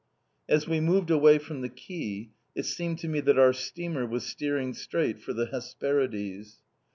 As we moved away from the quay, it seemed to me that our steamer was steering straight for the Hesperides.